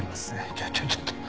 ちょちょちょっと。